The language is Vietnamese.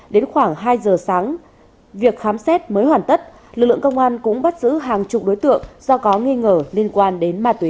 đến khoảng hai giờ sáng việc khám xét mới hoàn tất lực lượng công an cũng bắt giữ hàng chục đối tượng do có nghi ngờ liên quan đến ma túy